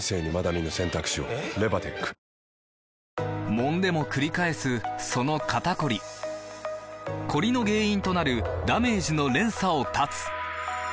もんでもくり返すその肩こりコリの原因となるダメージの連鎖を断つ！